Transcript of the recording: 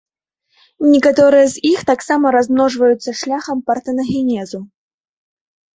Некаторыя з іх таксама размножваюцца шляхам партэнагенезу.